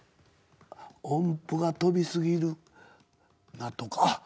「音符が飛びすぎるなとか」